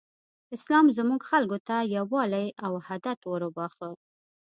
اسلام زموږ خلکو ته یووالی او حدت وروباښه.